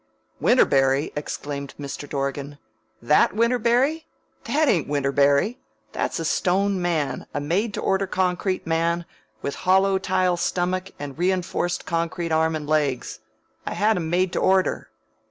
'" "Winterberry?" exclaimed Mr. Dorgan. "That Winterberry? That ain't Winterberry! That's a stone man, a made to order concrete man, with hollow tile stomach and reinforced concrete arms and legs. I had him made to order."